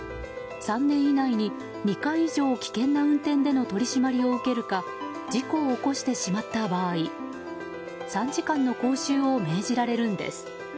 ３年以内に２回以上危険な運転での取り締まりを受けるか事故を起こしてしまった場合３時間の講習を命じられるんです。